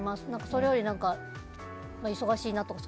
それより忙しいなとか